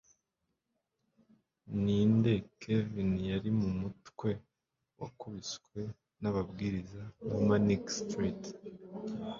Ninde Kevin Yari Mumutwe Wakubiswe nababwiriza ba Manic Street